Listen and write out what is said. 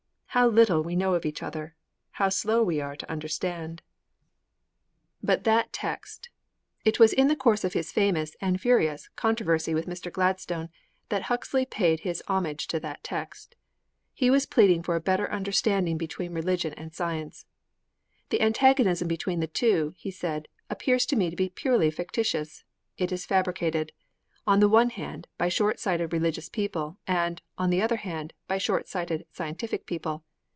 How little we know of each other! How slow we are to understand! III But the text! It was in the course of his famous and furious controversy with Mr. Gladstone that Huxley paid his homage to the text. He was pleading for a better understanding between Religion and Science. 'The antagonism between the two,' he said, 'appears to me to be purely fictitious. It is fabricated, on the one hand, by short sighted religious people, and, on the other hand, by short sighted scientific people.'